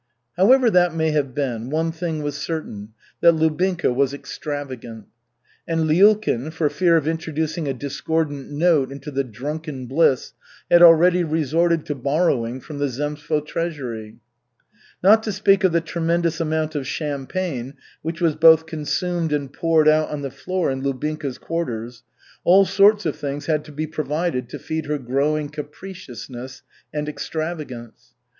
However that may have been, one thing was certain, that Lubinka was extravagant. And Lyulkin, for fear of introducing a discordant note into the drunken bliss, had already resorted to borrowing from the zemstvo treasury. Not to speak of the tremendous amount of champagne which was both consumed and poured out on the floor in Lubinka's quarters, all sorts of things had to be provided to feed her growing capriciousness and extravagance.